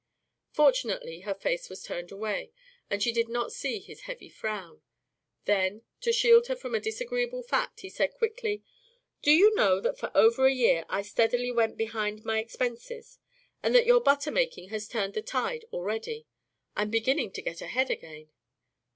Fortunately her face was turned away, and she did not see his heavy frown. Then, to shield her from a disagreeable fact, he said quickly, "do you know that for over a year I steadily went behind my expenses. And that your butter making has turned the tide already? I'm beginning to get ahead again."